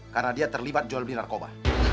karena dia terlibat jual beli narkoba